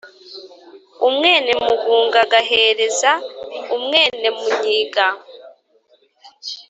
umwénemugunga agahereza umwénemúnyiga